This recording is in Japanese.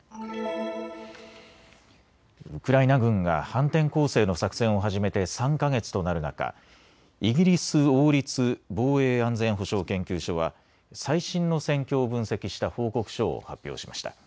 ウクライナ軍が反転攻勢の作戦を始めて３か月となる中、イギリス王立防衛安全保障研究所は最新の戦況を分析した報告書を発表しました。